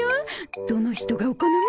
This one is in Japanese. どの人がお好み？